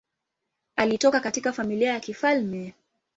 Alitoka katika familia ya kifalme.